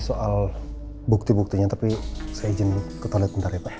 soal bukti buktinya tapi saya izin ke toilet sebentar ya pak